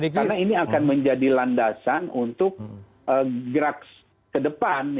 karena ini akan menjadi landasan untuk gerak ke depan